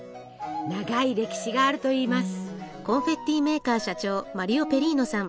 長い歴史があるといいます。